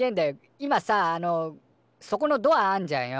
今さああのそこのドアあんじゃんよ。